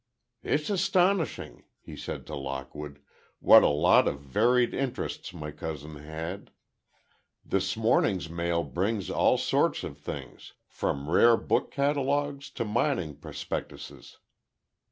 "It's astonishing," he said to Lockwood, "what a lot of varied interests my cousin had. This morning's mail brings all sorts of things from Rare Book Catalogues to Mining Prospectuses.